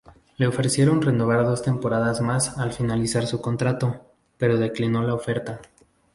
Le ofrecieron renovar dos temporadas más al finalizar su contrato, pero declinó la oferta.